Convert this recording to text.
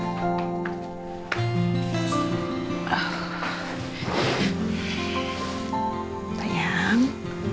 nggak bangun nyet